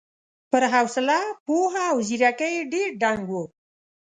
پر حوصله، پوهه او ځېرکۍ ډېر دنګ و.